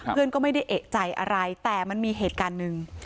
เพื่อนก็ไม่ได้เอกใจอะไรแต่มันมีเหตุการณ์หนึ่ง